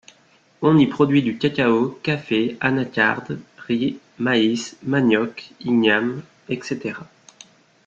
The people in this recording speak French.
On y produit du cacao, café, anacarde, riz, maïs, manioc, igname, etc.